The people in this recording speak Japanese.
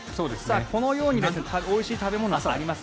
このようにおいしい食べ物があります